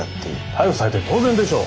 逮捕されて当然でしょう！